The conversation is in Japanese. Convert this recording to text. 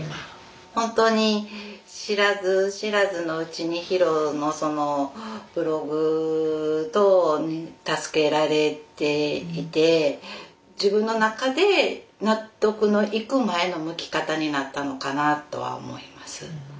本当に知らず知らずのうちにヒロのそのブログ等に助けられていて自分の中で納得のいく前の向き方になったのかなとは思います。